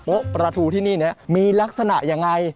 ปลาทูที่นี่มีลักษณะยังไง